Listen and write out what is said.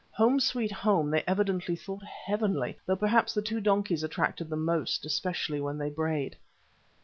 "Home, Sweet Home" they evidently thought heavenly, though perhaps the two donkeys attracted them most, especially when these brayed.